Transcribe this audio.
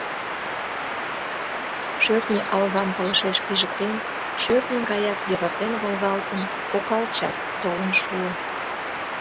Шӧртньӧ алгам пылышеш пижыктен, шӧртньӧ гаяк йывыртен-волгалтын, Окалчат толын шуо.